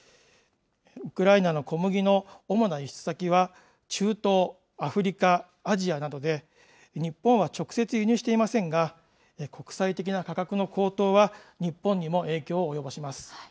ウクライナの小麦の主な輸出先は、中東、アフリカ、アジアなどで、日本は直接輸入していませんが、国際的な価格の高騰は、日本にも影響を及ぼします。